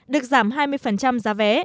được giảm hai mươi giá vé